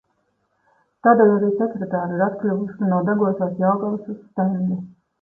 Tādēļ arī sekretāre ir atkļuvusi no degošās Jelgavas uz Stendi.